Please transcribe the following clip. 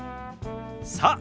さあ